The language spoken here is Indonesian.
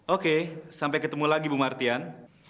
oke sampai ketemu lagi bu martian